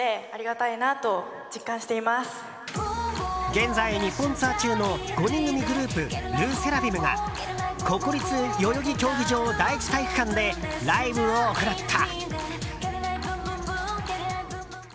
現在、日本ツアー中の５人組グループＬＥＳＳＥＲＡＦＩＭが国立代々木競技場第一体育館でライブを行った。